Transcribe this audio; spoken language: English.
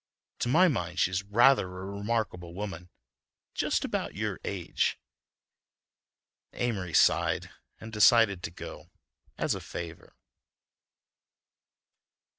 To my mind, she's rather a remarkable woman, and just about your age." Amory sighed and decided to go, as a favor....